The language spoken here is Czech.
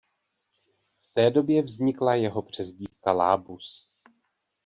V té době vznikla jeho přezdívka Lábus.